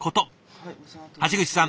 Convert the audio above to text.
橋口さん